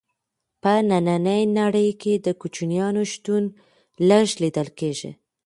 په ننۍ نړۍ کې د کوچیانو شتون لږ لیدل کیږي.